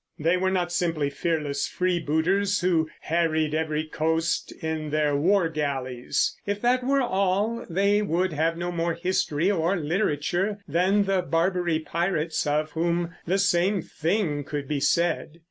They were not simply fearless freebooters who harried every coast in their war galleys. If that were all, they would have no more history or literature than the Barbary pirates, of whom the same thing could be said.